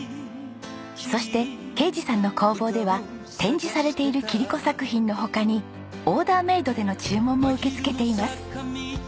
そして啓二さんの工房では展示されている切子作品の他にオーダーメイドでの注文も受け付けています。